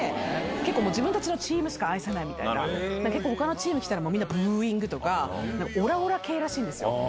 結構自分たちのチームしか愛さないみたいな、ほかのチーム来たら、みんなブーイングとか、おらおら系らしいんですよ。